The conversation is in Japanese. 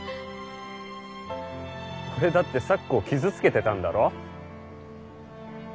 俺だって咲子を傷つけてたんだろう？